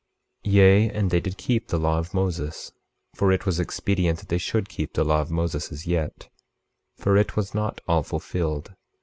25:15 Yea, and they did keep the law of Moses; for it was expedient that they should keep the law of Moses as yet, for it was not all fulfilled.